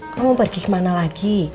kamu pergi kemana lagi